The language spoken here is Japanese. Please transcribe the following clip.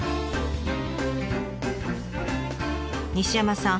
西山さん